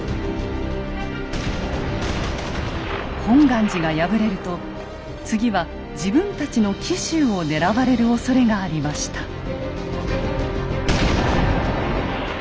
本願寺が敗れると次は自分たちの紀州を狙われるおそれがありました。